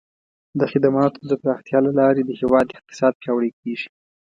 د خدماتو د پراختیا له لارې د هیواد اقتصاد پیاوړی کیږي.